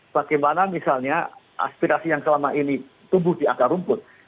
bagaimana misalnya aspirasi yang selama ini tumbuh di akar rumput